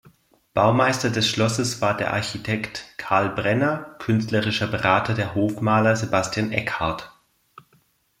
Baumeister des Schlosses war der Architekt Karl Brenner, künstlerischer Berater der Hofmaler Sebastian Eckhardt.